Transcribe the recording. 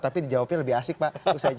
tapi dijawabnya lebih asik pak